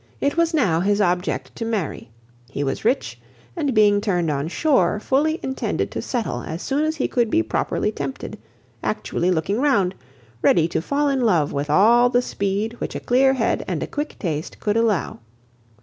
It was now his object to marry. He was rich, and being turned on shore, fully intended to settle as soon as he could be properly tempted; actually looking round, ready to fall in love with all the speed which a clear head and a quick taste could allow.